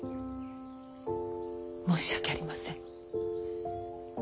申し訳ありません。